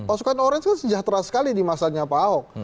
pasukan orange kan sejahtera sekali di masanya pak ahok